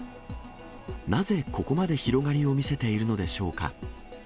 なぜ、ここまで広がりを見せているのでしょうか。